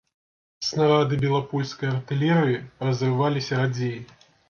Снарады белапольскай артылерыі разрываліся радзей.